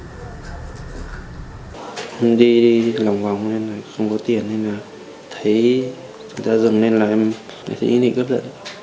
em đi lòng vòng nên là không có tiền nên là thấy người ta dừng nên là em thấy ý nghĩ cướp rồi